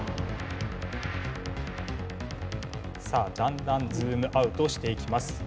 さあだんだんズームアウトしていきます。